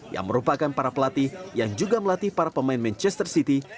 yang merupakan para pelatih yang juga melatih para pemain manchester city